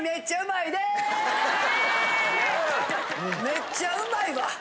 めっちゃうまいわ。